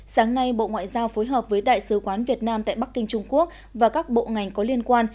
sáng nay bộ ngoại giao phối hợp với đại sứ quán việt nam tại bắc kinh trung quốc và các bộ ngành có liên quan